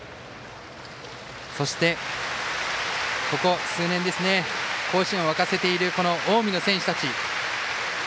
そして、ここ数年甲子園を沸かせている近江の選手たち。